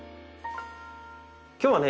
今日はね